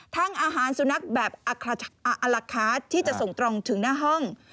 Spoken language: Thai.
อาหารสุนัขแบบอลักคาร์ที่จะส่งตรงถึงหน้าห้อง